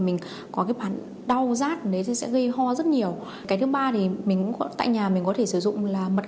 mình có cái phản đau rát thì sẽ gây ho rất nhiều cái thứ ba thì tại nhà mình có thể sử dụng là mật